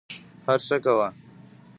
هر څه کوه.